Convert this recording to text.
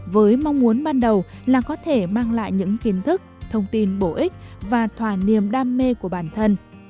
với mong muốn ban đầu là có thể mang lại những kiến thức thông tin bổ ích và thỏa niềm đam mê của bản thân